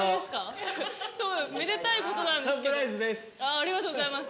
ありがとうございます。